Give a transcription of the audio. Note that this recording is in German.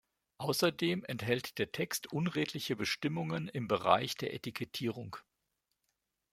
Außerdem enthält der Text unredliche Bestimmungen im Bereich der Etikettierung.